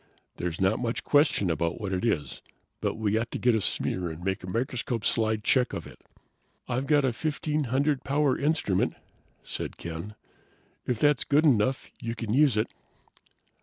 There's not much question about what it is, but we ought to get a smear and make a microscope slide check of it." "I've got a 1500 power instrument," said Ken. "If that's good enough you can use it."